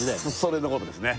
それのことですね